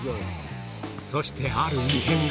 そしてある異変が。